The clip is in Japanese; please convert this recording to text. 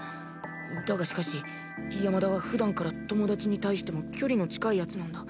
だがしかし山田は普段から友達に対しても距離の近い奴なんだ。